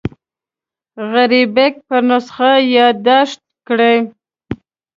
غریبک پر نسخه یاداښت کړی.